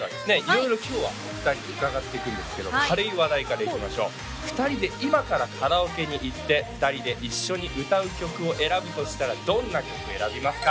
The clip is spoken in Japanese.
色々今日はお二人に伺っていくんですけど軽い話題からいきましょう２人で今からカラオケに行って２人で一緒に歌う曲を選ぶとしたらどんな曲選びますか？